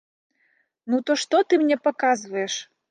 Ну, то што ты мне паказваеш!